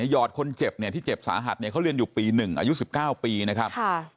ยอดคนเจ็บที่เจ็บสาหัสเขาเรียนอยู่ปี๑อายุ๑๙ปีนะครับ